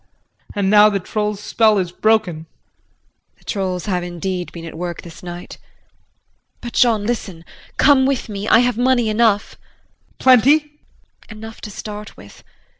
And now the troll's spell is broken. JULIE. The trolls have indeed been at work this night. But, Jean, listen come with me, I have money enough. JEAN. Plenty? JULIE. Enough to start with.